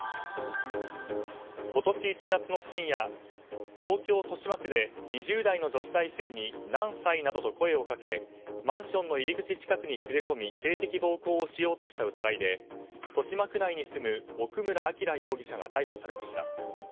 今年１月の深夜東京・豊島区で２０代の女子大生に何歳？などと声をかけマンションの入り口近くに連れ込み性的暴行をしようとした疑いで豊島区内に住む奥村晃容疑者が逮捕されました。